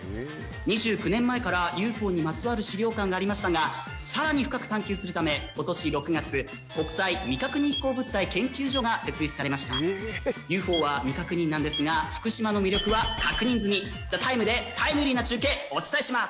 ２９年前からＵＦＯにまつわる資料館がありましたが更に深く探求するため今年６月国際未確認飛行物体研究所が設立されましたＵＦＯは未確認なんですが福島の魅力は確認済み「ＴＨＥＴＩＭＥ，」でタイムリーな中継お伝えします！